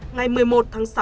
ngày một mươi một tháng sáu